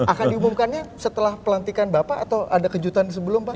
akan diumumkannya setelah pelantikan bapak atau ada kejutan sebelum pak